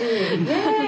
ねえ？